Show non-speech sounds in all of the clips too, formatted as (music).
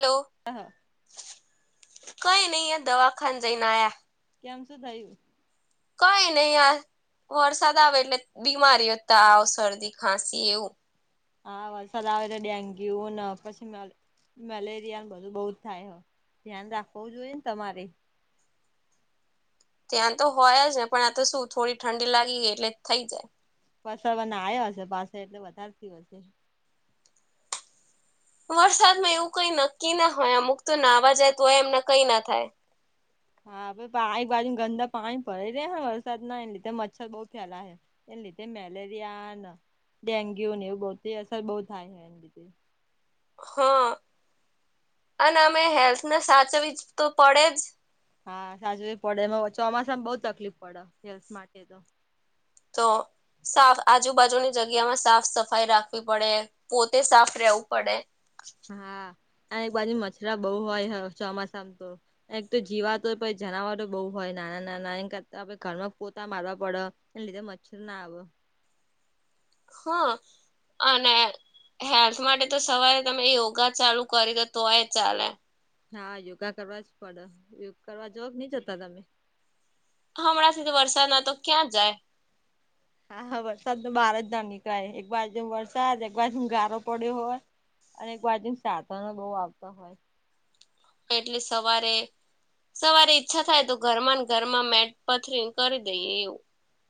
Hello હા કઈ નઈ દવાખાન જઈને આયા? કેમ શું થયું? કઈ નહી વરસાદ આવે એટલે બીમારી ત આવ શરદી ખાંસી એવું. હા વલસાદ આવે એટલે ડેગિયુ હ પછી. મેલેરિયા બધું બહ જ થાય હ ધ્યાન રાખવું જોઈએ ને તમારે ત્યાં તો હોય જ ને પણ આ તો શું થોડી ઠંડી લાગી ગઈ એટલે થઈ જાય. ફસરવાના આવ્યા હશે પાસે એટલે વધારે થથી હશે. વરસાદમાં એવું કઈ નક્કી ના હોય અમુક તો નાવા જાય તો હોય એમને કઈ ના થાય. હા ભ પાણી બાજુ ગંદા પાણી ભરા રેને વરસાદ ના એ લીધે મચ્છર બઉુ ફેલા હે એને લીધે મેલેરિયા ડેન્ગ્યુ ને એવ બહ અસર બહુ થાય છે એ લીધે. હા અને અમે હેલ્થને સાચવીવી તો પડે જ. હા સાચું પડે એમાં ચોમાસામાં બઉુ તકલીફ પડે હેલ્થ માટે તો તો સાફ આજુબાજુની જગ્યામાં સાફ સફાઈ રાખવી પડે પોતે સાફ રહેવું પડે હા અને એક બાજુ મછરા બઉુ હોય ચોમાસામાં તો એક તો જીવાતો જનાવર બહુ હોય નાના નાના એ કરતાે ઘરમાં પોતા મારવા પડે એ લીધે મચ્છર ના આવો. હા અને હેલ્થ માટે તો સવારે તમે યોગા ચાલુ કરી દ તોય ચાલે. હા યોગા કરવા જ પડે યોગા કરવા જો જ નહી જતા તમે હમણાં વરસાદ ના તો ક્યાં જાય હા હા વરસાદ તો બહાર જ ના નીકળે એક બાજ વરસાદ એક બાજ ગારો પડ્યો હોય. અને એક બાજુ સાધનો બહુ આવતા હોય. એટલે સવારે સવારે ઈચ્છા થાય તો ઘરમાં ઘર માં મેટ પથરી કરી દઈએ એવું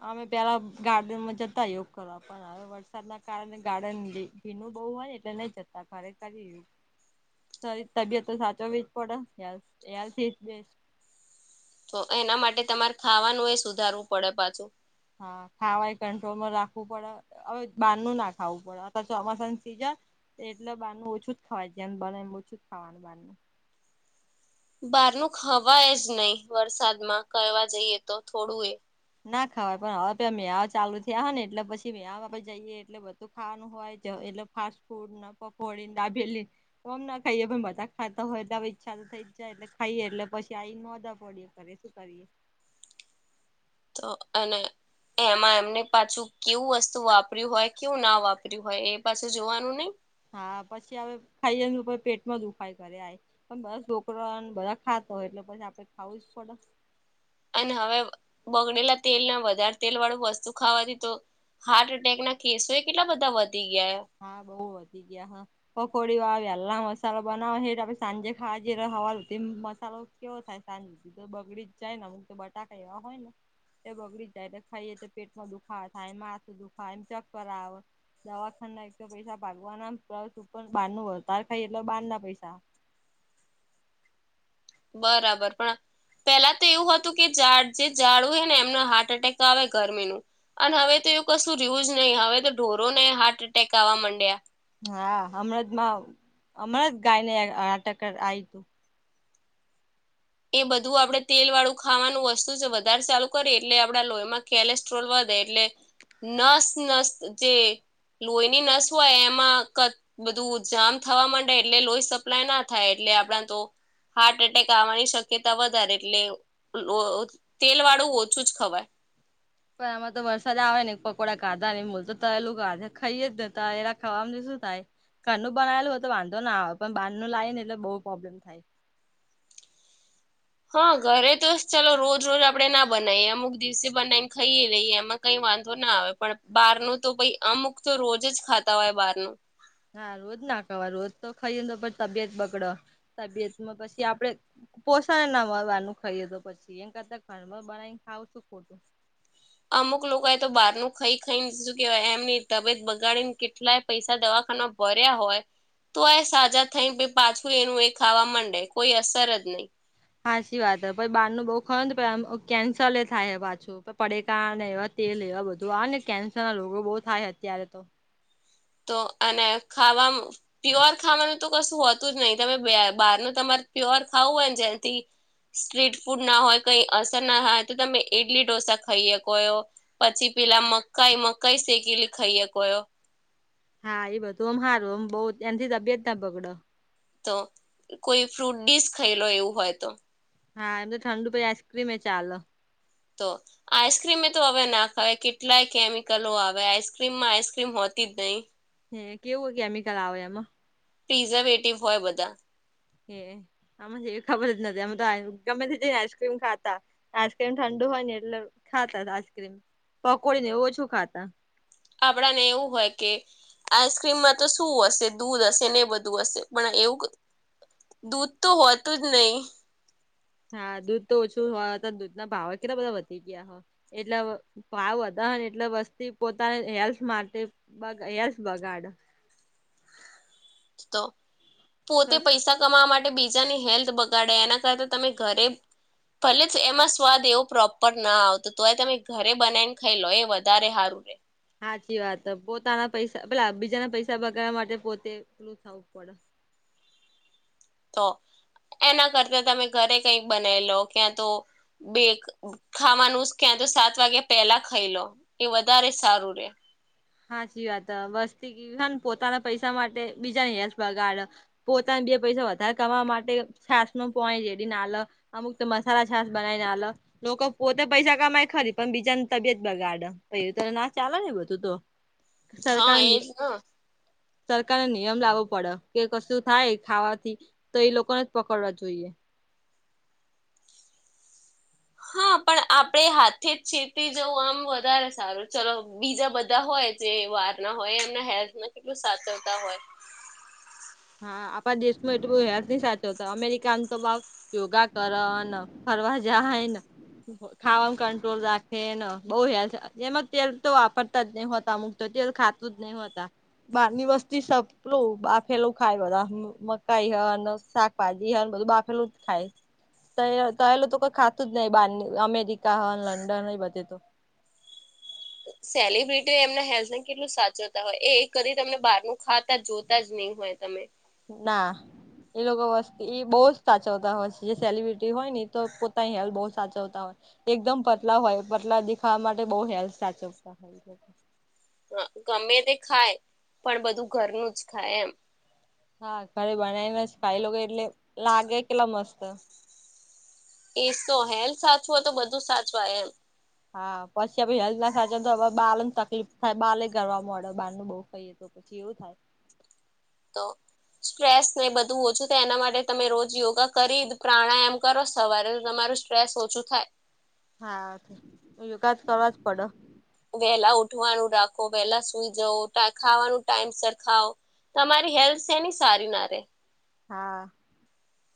અમે પેલા ગાર્ડનમાં જતા યોગ કરવા પણ વરસાદ ના કારણે ગાર્ડન ભીનું બહુ હોય ને એટલે નઈ જતા ખરે કરી. રી તબિયત તો સાચોવી જ પડે હેલ્થ. તો એના માટે તમારે ખાવાનું એ સુધારવું પડે પાછું. હા ખાવા એ કંટ્રોલમાં રાખવું પડે. હવે બારનું ના ખાવું પડે અ ચોમાસાનું સિજન એટલે બારનું ઓછું જ ખવાય જેમ બને એમ ઓછું જ ખાવાનું એમ. બહાર ન ખવાય જ નહી વરસાદમાં કવા જઈએ તો થોડું એ ના ખાવાય પણ હવે આપ મેવ ચાલુ થયા હને એટલે પછી મેયાહ વગર જઈએ એટલે બધું ખાવાનું હોય એટલે ફાસ્ટ ફૂડ પકોડીને ડાભેલી તોમ ના ખાઈએે પણ બધા ખાતા હોય એટલે હવે ઈચ્છા તો થઈ જાય એટલે ખાઈએ એટલે પછી આવી મોદા પડીએ. (unintelligible) શું કરીએ? તો અને એમાં એમને પાછું કેવું વસ્તુ વાપર્યું હોય કેવું ના વાપર્યું હોય એ પાછું જોવાનું નહી. હા પછી હવે ખાઈ જ પેટમાં દુખાય કરે આ પણ બધા છોકરોને બધા ખાતો હોય એટલે પછી આપડે ખાવું જ પડે. અને હવે બગડલા તેલ ના વધારે તેલ વાળું વસ્તુ ખાવાથી તો હાર્ટ એટેક ના કેસો એ કેટલા બધા વધી ગયા. હા બહુ વધી ગયા હા. પકોડી વાળા વેલ્લા મસાલા બનાવે હેને આપડે સાંજે ખાજવા જઈએ હવાર ઉઠીં મસાલો કેવો થાય સાંજથી તો બગડી જ જાય ને અમુંક તો બટાકા એવા હોય ને. તે બગડી જાય ખાઈએ તો પેટમાં દુખાવા થાય માથું દુખમ ચકર આવે દવા એક તો પૈસા પાગવાના ઉપર બારનું વધાર ખાય એટલે બાર ના પૈસા બરાબર પણ પેલા તો એવું હતું કેડ જે ઝાડું હ ને એમને હાર્ટ એટેક આવે ગરમીનું. અને હવે તો એવું કશું રહવું જ નહી હવે તો ઢોરો ને હાર્ટ એટેક આવવા માંડ્યા. હા હમણાં જ માં હમણાં જ ગાયને એટેક (unintelligible) એ બધું આપડે તેલ વાળું ખાવાનું વસ્તુ છે વધારે ચાલુ કરીએ એટલે આપડા લોહીમાં કેલેસ્ટ્રોલ વધે એટલે નસ નસ્ જે લોહીની નસ હોય એમાં બધું જામ થવા માંડે એટલે લોહી સપ્લાય ના થાય એટલે આપણા તો હાર્ટ અટટેક આવાની શ શક્યતા વધારે એટલે તેલ વાળું ઓછું જ ખવાય. પણ આમાં તો વરસાદ આવે ને પકોડા કાધા નહી બોલ તો તળેલું કાધા ખાઈએે જ ને તાર ખાવાવામાં શું થાય? ઘરનું બનાવેલું હોય તો વાંધો ના હો આવે પણ બહારનું લાય ને એટલે બહુ પ્રોબ્લેમ થાય. હા ઘરે તો ચાલો રોજ રોજ આપડણે ના બનાવીએ અમુક દિવસે બનાવીને ખાઈએ લઈએ એમાં કઈ વાંધો ના આવે પણ બહારનું તો પહીં અમુક તો રોજ જ ખાતા હોય બહારનું. હા રોજ ના ખવા રોજ તો ખાઈ જ તો પણ તબિયત બગડે તબિયતમાં પછી આપડે પોષણ ના મળવાનું ખાઈએ તો પછી એમ કરતા ઘર બનાને ખાવું શું ખોટું? અમુક લોકો એ તો બહાર ન ખાઈ ખાઈ ને શું કેવાય એમની તબિયત બગાડી ને કેટલાય પૈસા દવાખાના ભર્યા હોય તો એ સાજા થઈ પાછું એનું એ ખાવા માંડે કોઈ અસર જ નહી. હાચી વાત હ પછી બહાર નું બહુ ખાવ પછી કેન્સલ થાય હ પાછું (unintelligible) તેલ એવા બધું આવે ને કેન્સર ના રોગો બહુ થાય અત્યારે તો તો અને ખાવામાં પ્યોર ખાવાનું તો કશું હોતું જ નથી, તમે બહારનું તમારે પ્યોર ખાવું હોય ને જ્યાંથી સ્ટ્રીટ ફૂડ ના હોય, કઈ અસર ના હોય, તો તમે ઈડલી ઢોસા ખાઈ શકો એવો. પછી પેલા મકાઈ મકાઈ શેકીલી ખાઈ હકો એવો હા એ બધું એમ સારું બહું એથી તબિયત ના બગડે. તો કોઈ ફ્રૂટ ડીશ ખાઈ લો એવું હોય તો. હા એમ તો ઠંડુ પછી આઈસ્ક્રીમ એ ચાલે તો. આઈસ્ક્રીમે તો હવે ના ખાવય કેટલાય કેમિકલો આવે આઈસ્ક્રીમમાં આઈસ્ક્રીમ હોતી જ નહી. હમ કેવું કેમિકલ આવે એમાં? પ્રિઝર્વેટિવ હોય બધા. હે આમ એ ખબર જ નથી આમ તો ગમે તેને આઈસ્ક્રીમ ખાતાવ આઈસ્ક્રીમ ઠંડુ હોય ને એટલે ખાતા આઈસક્રીમ પકોડી ને એવ ઓછું ખાતા આપડાને એવું હોય કે આઈસ્ક્રીમમાં તો શું હશે દૂધ હશે ને એ બધું હશે, પણ આ એવું ક દૂધ તો હોતું જ નહીં હા દૂધ તો ઓછું હોય, અતાર દૂધ ના ભાવેય કેટલા બધા વધી ગયા હે, એટલે ભાવ વધા હે ને એટલે વસ્તી પોતાને હેલ્થ માટે બ હેલ્થ બગાડે. તો, પોતે સસ પૈસા કમાવવા માટે બીજાની હેલ્થ બગાડે એના કરતા તમે ઘરે ભલે જ એમાં સ્વાદ એવો પ્રોપર ના આવતો, તોય તમે ઘરે બનાઈને ખાઈ લો એ વધારે હારું હે. હાચી વાત હે. પોતાના પૈસા પેલા બીજાના પૈસા બગાડવા માટે પોતે (inaudible) થવું પડે. તો એના કરતા તમે ઘરે કંઈક બનાઈ લો. ક્યાં તો બેક ખાવાનું જ ક્યાં તો સાત વાગ્યા પહેલા ખઈ લો, એ વધારે સારું રહે. સાાચી વાત હે. વસ્તી (inaudible) પોતાના પૈસા માટે બીજાની હેલ્થ બગાડ. પોતાને બે પૈસા વધારે કમાવવા માટે છાસ નો પોણી જેડી નાલ અમુક તો મસાલા છાસ બનાવીને આલો. લોકો પોતે પૈસા કમાય ખરી, પણ બીજાન તબિયત બગાડે. પહી એ તો ના ચાલે ને એ બધું તો. હા સરકારની એજ ને. સરકારને નિયમ લાવવો પડે, કે કશું થાય ખાવાથી તો એ લોકોને જ પકડવા જોઈએ. હા પણ આપડે હાથે જ ચેતી જવું આમ વધારે સારું, ચલો બીજા બધા હોય જે વોર્નના હોય, એમના હેલ્થમાં કેટલું સાચવતા હોય. હા. આપણા દેશમાં એટલું બધું હેલ્થ નથી સાચવતા. અમેરિકાનું તો (unintelligible) યોગા કરન, ફરવા જાહીન. ખાવાનું કંટ્રોલ રાખેન, બહુ હેલ્થ, જેમાં તેલ તો વાપરતા જ નહીં હોતા અમુક તો તેલ ખાતું જ નહીં હોતા. બહાર ની વસ્તી (unintelligible) ફેલું ખાય બધા, મકાઈ હન, શાકભાજી હન બધું બાફેલું જ ખાય. તહે તળેલું તો કઈ ખાતું જ નહીં, બહારની અમેરિકા હન, લંડન હન એ બધે તો. સેલિબ્રિટી એમના હેલ્થને કેટલું સાચવતા હોય, એ કદી તમને બારનું ખાતા જોતા જ નહી હોય તમે ના એ લોકો વસ્તી એ બહુ સાચવતા હોય છે જે સેલિબ્રિટી હોય ને તો પોતાની હેલ્થ બો સાચવતા હોય એકદમ પતલા હોય, પતલા દેખાવા માટે બઉ હેલ્થ સાચવતા હોય હા, ગમે તે ખાય પણ બધું ઘરનું જ ખાય એમ હા, ઘરે બનાવીને જ ખાઈ લોકો એટલે લાગે કેટલા મસ્ત. એજ તો હેલ્થ સાચવો તો બધું સાચવાય એમ હા, પછી ભી હેલ્થ ન સાચવો તો બાળને તકલીફ થાય બાલે ગર મળે બાર નું બહુ ખાઈએ તો પછી એવું થાય તો સ્ટ્રેસ ને બધું ઓછું થાય એના માટે તમે રોજ યોગા કરી પ્રાણાયામ કરો રોજ સવારે તમારું સ્ટ્રેસ ઓછું થાય હા, યોગા જ કરવા જ પડે વહેલા ઉઠવાનું રાખો, વહેલા સુઈ જવ, ખાવાનું ટાઈમ સર ખાઓ તમારી હેલ્થ સેની સારી ના રે હા.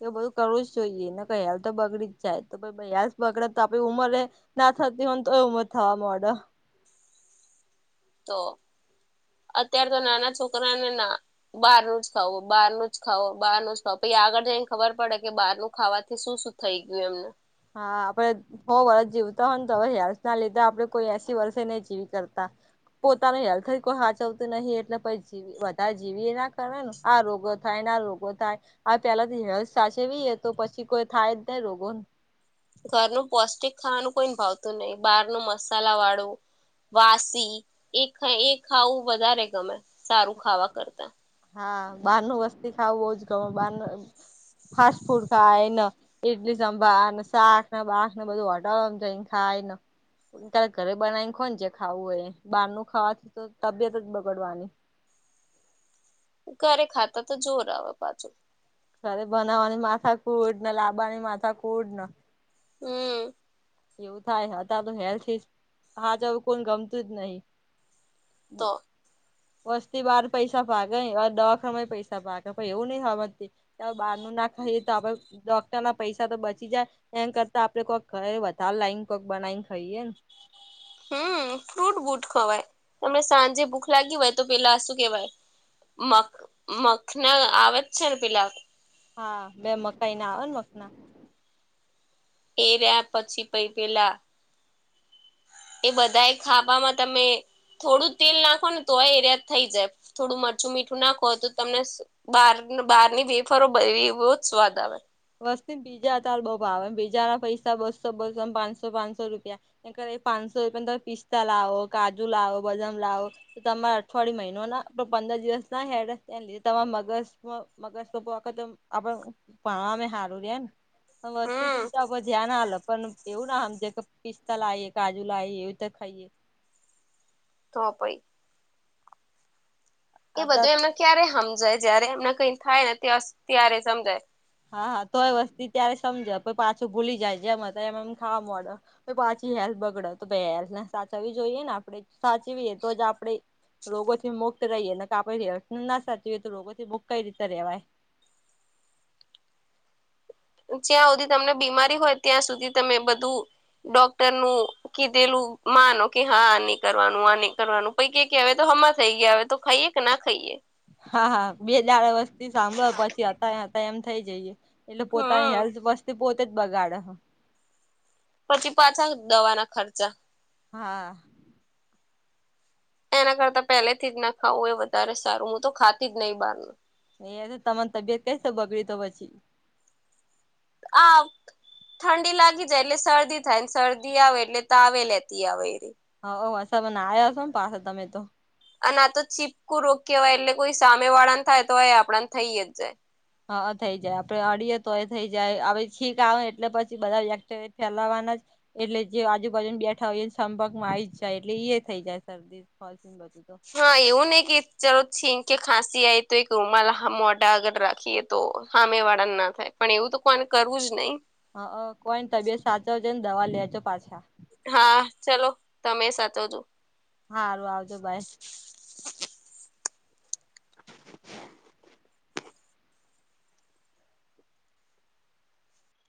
એવું બધું કરવું જ જોઈએ ન કે હેલ્થ તો બગડી જ જાય તો હેલ્થ બગડે તો આપણી ઉંમર રે ના થતી હોયને તો ઉમર થવા માંડે તો અત્યાર તો નાના છોકરાને ના બહારનું જ ખાવું બહારનું જ ખાવો બારનું જ ખાવો પી આગળ જ ખબર પડે કે બારનું ખાવાથી શું થઈ ગયું એમનું હા આપડ હો વર્ષ જીવતા હોય ને તો હવે યાાર ના લીધા આપડે કોઈ એસી વર્ષે નહી જીવી કરતા. પોતાની હેલ્થથી કોઈ એટલા ટલે પછી. વધારે જીવી એ ના કરે ને આ રોગો થાય ના રોગો થાય આ પેલા થી હેલ્થ સાચવી તો પછી કોઈ થાય જ નહી રોગો ઘરનું પૌષ્ટિક ખાવાનું કોઈ ભાવતું નહીિ બહાર નું મસાલા વાળું વાસી એ એ ખાવું વધારે ગમે સારું ખાવા કરતા હા બહાર ન વસ્તી ખાવ બઉજ ગમે બાર ન ફાસ્ટ ફૂડ ખાય એ એડલી સંભાળ ને શાક ને બાક ને બધું હટાવડવામને ખાય ને તારે ઘરે બનાવી ને ખો છે ખાવું હોય બહાર ન ખાવાથી તો તબિયત જ બગડવાની ઘરે ખાતા તો જોર આવે પાછું કરે બનાવવાની માથા કુડ ને લાબવાની માથા કુડ ને હમ. એવું થાય હતા તો હેલ્થ હા જવ કોણ ગમતું જ નહી તો વસ્તી બાર પૈસા ભાગે દખ ય પૈસા ભાગે એવું નહી સમજતી બહાર ન ના ખાઈએ તો આપે ડોક્ટર ના પૈસા તો બચી જાય એમ કરતા આપડે કોઈક ઘરે તાલ લાઈન કોક બનાવીને ખાઈએ ને હમ ફ્રૂટ બૂટ ખવાય તમને સાંજે ભૂખ લાગી હોય તો પેલા શું કેવાય મખ મખન આવે જ છે ને પિલા હા બે મકાઈ ના આવે ને મકના એ રહ્યા પછી પ પેલા એ બધા એ ખાવાવામાં તમે. થોડું તેલ નાખો ને તો એરિયા થઈ જાય થોડું મરચું મીઠું નાખો હોય તો તમને બહાર બહારની બેેફારો બધ બહ જ સ્વાદ આવે. વસ્ બીજા અાર બઉુ ભાવ બીજા ના પૈસા બસો બસોને પાંચસો પાંચસો રૂપિયા એ કર પાંચસો રૂપિયા ત પિસ્તા લાવો, કાજુ લાવો, બદામ લાવો તમારા અઠવાડય મહિનો ના પંદર દિવસ ના હે લીધે તમા મગજ મગજ તો આખ આપડ ભણમે સારું રે ને પણ વસ્તી હમ પીતાધ ધ્યાન આલ પણ એવું ના આ જે પિસ્તા લ એ કાજુ લ એ એવું તો ખાઈએ તો ભાઈ એ આ બધું એમને ક્યારે સમજાય જય્યારે એમને કઈ થાય ને ત્યારે સમજાય હા હા તો એ વસ્તી ત્યારે સમજે પ પાછું ભૂલી જાય જેમ હતા એમ એમ ખાવા મળડે પાછી હેલ્થ બગડ તો હેલ્થ સાચવવી જોઈએ ને આપડે સાચવીએ તો જ આપડે રોગોથી મુક્ત રહીએ ને કાપેથી ના સાચી તો રોગોથી મુક્ત કઈ રીતે ર રહેવાય જ્યાં સુધી તમને બીમારી હોય ત્યાં સુધી તમે બધું ડોક્ટર નું કીધેલું માનો કે હા ન કરવાનું આ નહી કરવાનું પૈકી ક તો હમા થઈ ગયા હ તો ખાઈએ કે ના ખાઈએ હા હા બે દાર વસ્તી સાંભળો પછી હતા હતા એમ થઇ જઈએ એટલે પોતાની હમ હેલ્થ વસ્તી પોતે જ બગાડે પછી પાછા દવાના ખર્ચા હા. એના કરતા પહેલેથી જ ના ખાવું એ વધારે સારું હું તો ખાતી જ નહી બહારનું એ તો તમાને તબિયત કઈ રીતે બગડી તો પછી? હ ઠંડી લાગી જાય એટલે શરદી થાય. શરદી આવે એટલે તાવે લેતી આવે એ ર હ અ મને આવ્યા છો ને પાસે તમે તો. અને આ તો ચીપકું રોકીવાય એટલે કોઈ સામે વાળાને થાય તોય એ આપ ને થઈ જાય. હા થઈ જાય આપડે અડીએ તો એ થઈ જાય હ છીક આવે એટલે પછી બધા વ ફેલાવાના. એટલે જે આજુબાજુ બેઠા હોય એ સંપર્કમાં આવી જ જાય એટલે એ થઈ જાય શરદી. ફાલસ બાજુ તો. હા એવું નહ કે ચાલો છીંક કે ખાંસી આય તો એક ઉમા મોઢા આગળ રાખીએ. તો સામે વાળા ને ના થાય પણ એવું તો કોને કરવું જ નહી. હ કોઈને તબિયત સાચવ છે, ને દવા લેજો પાછા. હા ચલો તમે સાચોજો. હાારું આવજો ભાઈ. (inaudible)